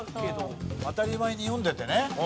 当たり前に読んでてね。